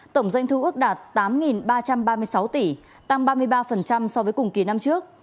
tổng doanh thu ước đạt tám ba trăm ba mươi sáu tỷ tăng ba mươi ba so với cùng kỳ năm trước